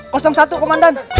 kosong satu komandan